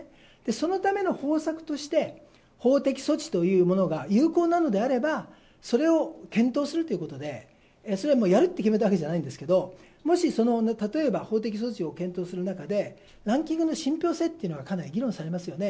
そのための方策として、法的措置というものが有効なのであれば、それを検討するということで、それはもうやるって決めたわけじゃないんですけど、もしその例えば法的措置を検討する中で、ランキングの信ぴょう性というものがかなり議論されますよね。